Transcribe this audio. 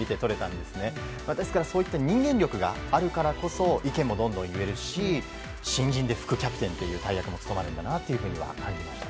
ですから、そういった人間力があるからこそ意見もどんどん言えるし新人で副キャプテンという大役も務まるんだなと思いました。